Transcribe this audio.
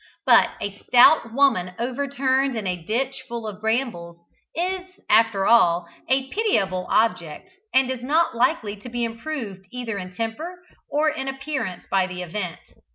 But a stout woman overturned into a ditch full of brambles, is, after all, a pitiable object, and is not likely to be improved either in temper or in appearance by the event.